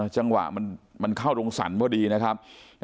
จังหวะมันเข้าโรงสรรพอดีนะครับ